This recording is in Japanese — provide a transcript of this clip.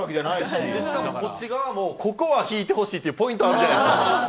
しかもこっち側もここは弾いてほしいポイントがあるじゃないですか。